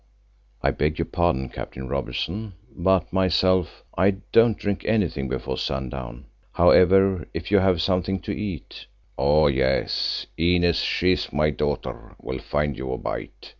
"I beg your pardon—Captain Robertson, but myself, I don't drink anything before sundown. However, if you have something to eat——?" "Oh yes, Inez—she's my daughter—will find you a bite.